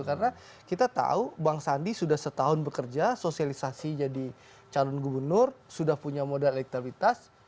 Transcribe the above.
karena kita tahu bang sandi sudah setahun bekerja sosialisasi jadi calon gubernur sudah punya modal elektronitas